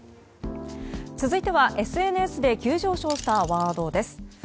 続いては、ＳＮＳで急上昇したワードです。